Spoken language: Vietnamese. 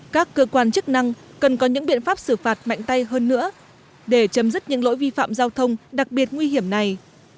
các cơ quan chức năng cần có những biện pháp xử phạt mạnh tay hơn nữa để chấm dứt những lỗi vi phạm giao thông đặc biệt nguy hiểm này